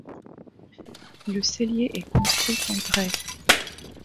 Le cellier est construit en grès.